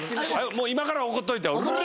もう今から怒っといてよ。